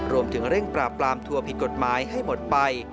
รวมถึงเร่งปราบปรามทัวร์ผิดกฎหมายให้หมดไป